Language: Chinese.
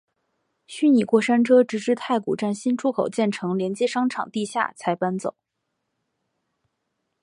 虚拟过山车直至太古站新出口建成连接商场地下才搬走。